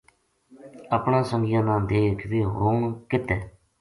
اپنا سنگیاں نا دیکھ ویہ ہُن کت ہے